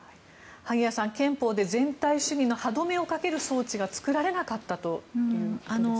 萩谷さん憲法で全体主義の歯止めをかける装置が作られなかったということです。